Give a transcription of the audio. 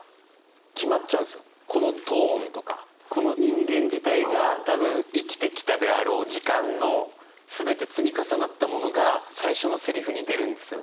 このトーンとかこの人間自体が多分生きてきたであろう時間の全て積み重なったものが最初のセリフに出るんですよね。